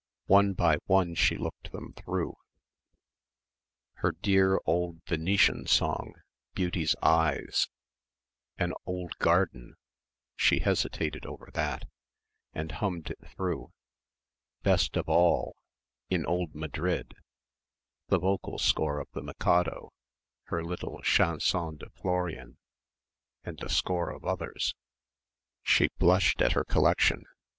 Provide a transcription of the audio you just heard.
One by one she looked them through. Her dear old Venetian song, "Beauty's Eyes," "An Old Garden" she hesitated over that, and hummed it through "Best of All" "In Old Madrid" the vocal score of the "Mikado" her little "Chanson de Florian," and a score of others. She blushed at her collection.